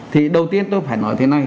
thì đầu tiên tôi phải nói thế này